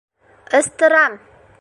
Ыстырам!